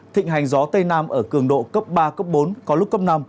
thịnh hành gió tây nam ở cường độ cấp ba cấp bốn có lúc cấp năm